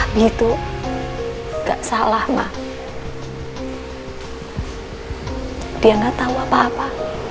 gitu enggak salah mah dia enggak tahu apa apa